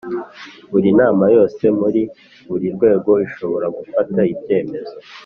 Buri nama yose muri buri rwego ishobora gufata ibyemezo